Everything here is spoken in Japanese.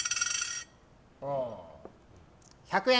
１００円。